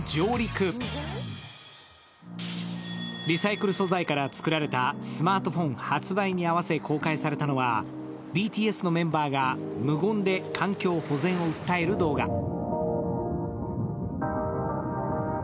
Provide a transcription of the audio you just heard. リサイクル素材から作られたスマートフォン発売に合わせ公開されたのは、ＢＴＳのメンバーが無言で環境保全を訴える動画。